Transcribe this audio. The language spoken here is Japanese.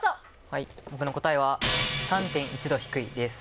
はい僕の答えは「３．１度低い」です。